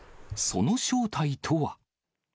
その正体とは。